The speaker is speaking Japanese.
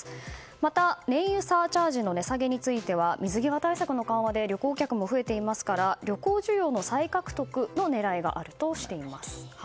また、燃油サーチャージの値下げについては水際対策の緩和で旅行客も増えていますから旅行需要の再獲得の狙いがあるとしています。